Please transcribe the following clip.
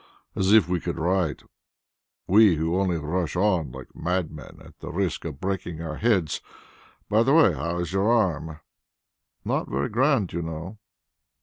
As if we could write we who only rush on, like madmen, at the risk of breaking our heads! By the way, how is your arm?" "Not very grand, you know."